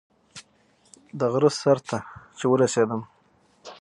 د غره سر ته چې ورسېدم.